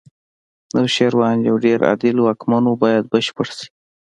نوشیروان یو ډېر عادل واکمن و باید بشپړ شي.